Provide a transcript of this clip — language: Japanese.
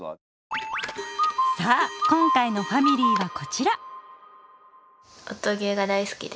さあ今回のファミリーはこちら。